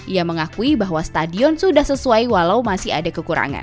ia mengakui bahwa stadion sudah sesuai walau masih ada kekurangan